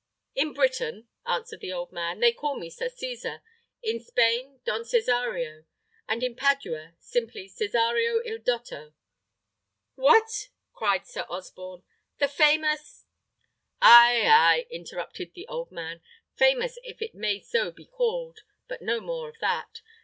"In Britain," answered the old man, "they call me Sir Cesar; in Spain, Don Cesario; and in Padua, simply Cesario il dotto." "What!" cried Sir Osborne, "the famous ?" "Ay, ay!" interrupted the old man; "famous if it may so be called. But no more of that.